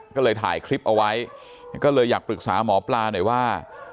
ก็เลยถ่ายคลิปเอาไว้ก็เลยอยากปรึกษาหมอปลาหน่อยว่า